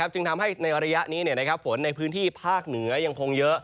จึงทำให้ในระยะนี้ฝนในพื้นที่ภาคเหนือยังคงเยอะ